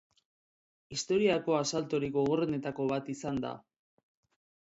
Historiako asaltorik gogorrenetako bat izan da.